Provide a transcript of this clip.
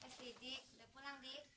eh siddiq udah pulang dik